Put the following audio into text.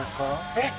えっ？